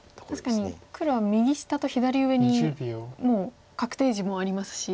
確かに黒は右下と左上にもう確定地もありますし。